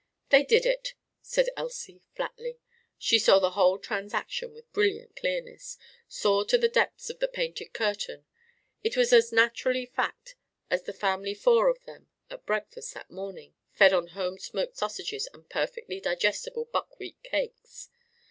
"They did it!" said Elsie flatly. She saw the whole transaction with brilliant clearness saw to the depths of the painted curtain. It was as naturally fact as the family four of them at breakfast that morning, fed on home smoked sausages and perfectly digestible buckwheat cakes.